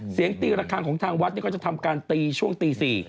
เสียงตีระคังของทางวัดก็จะทำการตีช่วงตี๔